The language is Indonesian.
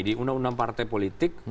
di undang undang partai politik